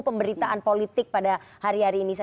pemberitaan politik pada hari hari ini